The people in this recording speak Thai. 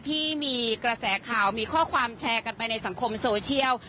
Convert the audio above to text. ที่มีกระแสข่าวมีข้อความแชร์กันไปในสังคมโซเชียล